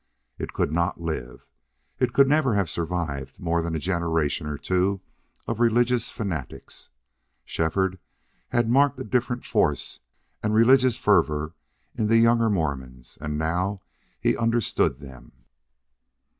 It could not live. It could never have survived more than a generation or two of religious fanatics. Shefford had marked a different force and religious fervor in the younger Mormons, and now he understood them.